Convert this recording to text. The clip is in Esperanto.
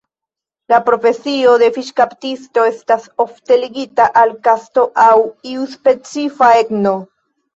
La profesio de fiŝkaptisto estas ofte ligita al kasto aŭ iu specifa etno.